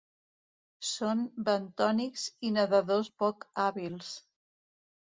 Són bentònics i nedadors poc hàbils.